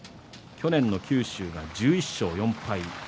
去年の九州は１１勝４敗。